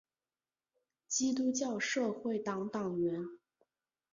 基督教社会党党员。